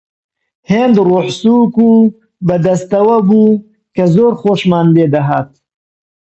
هێند ڕۆحسووک و بە دەستەوە بوو کە زۆر خۆشمان لێ دەهات